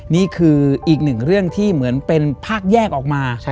นี่คืออีกหนึ่งเรื่องที่เหมือนเป็นภาคแยกออกมา